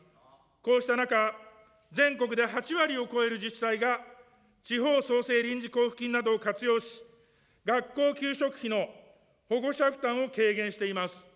こうした中、全国で８割を超える自治体が地方創生臨時交付金などを活用し、学校給食費の保護者負担を軽減しています。